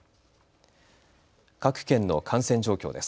各県の感染状況です。